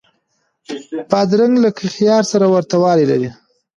بادرنګ له خیار سره ورته والی لري.